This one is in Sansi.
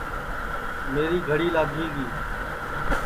میری گھڑی لادھی گی